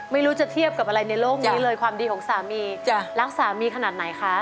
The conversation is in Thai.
ไม่รู้จะเทียบกับอะไรในโลกนี้เลยความดีของสามีรักสามีขนาดไหนคะ